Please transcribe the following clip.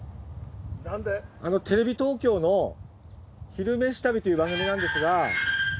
テレビ東京の「昼めし旅」という番組なんですが。